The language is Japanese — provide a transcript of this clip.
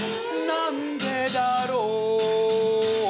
なんでだろう